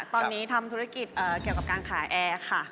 ตอนนี้ทำธุรกิจเกี่ยวกับการขายแอร์ค่ะ